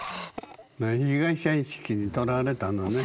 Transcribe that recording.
被害者意識にとらわれたのね。